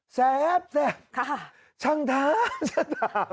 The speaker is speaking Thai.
แซ่บแซ่บช่างท้าช่างด่า